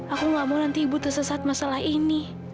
aku gak mau nanti ibu tersesat masalah ini